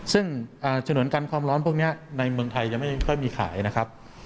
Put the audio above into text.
ซึ่งฉนวนกันความร้อนพวกนี้ในเมืองไทยยังไม่ค่อยมีขายนะครับ